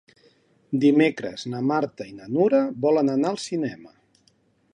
Dimecres na Marta i na Nura volen anar al cinema.